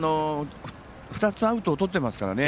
２つ、アウトをとっていますからね。